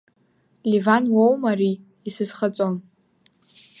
Леван уоума ари, исызхаҵом?